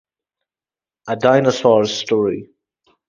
A Dinosaur's Story.